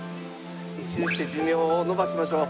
１周して寿命を延ばしましょう。